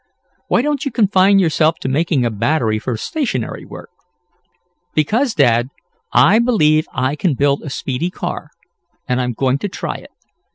Why don't you confine yourself to making a battery for stationary work?" "Because, Dad, I believe I can build a speedy car, and I'm going to try it.